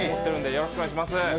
よろしくお願いします。